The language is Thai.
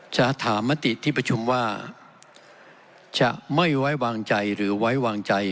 จะถามมติที่ประชุมว่าจะไม่ไว้วางใจหรือไว้วางใจ